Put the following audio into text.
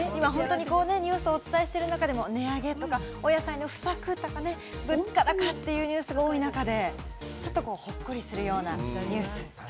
ニュースをお伝えしている中でも、値上げとかお野菜の不足とか、物価高というニュースが多い中で、ちょっとほっこりするようなニュース。